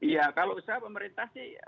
ya kalau usaha pemerintah